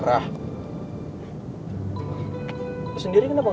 sampai jumpa lagi